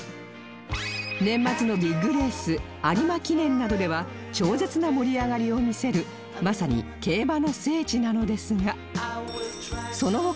年末のビッグレース有馬記念などでは超絶な盛り上がりを見せるまさに競馬の聖地なのですが